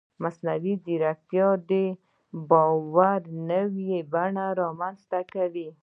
مصنوعي ځیرکتیا د باور نوې بڼې رامنځته کوي.